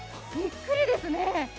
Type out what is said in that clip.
びっくりですね。